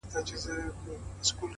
• زما مور ـ دنيا هېره ده ـ